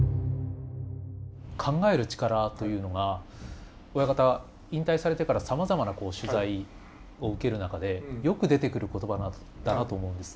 考える力というのが親方引退されてからさまざまな取材を受ける中でよく出てくる言葉だなと思うんです。